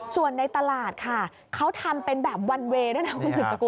ส่วนในตลาดค่ะเขาทำเป็นแบบวันเวย์ด้วยนะคุณสุดสกุ